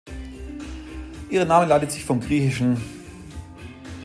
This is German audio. Ihr Name leitet sich von griech.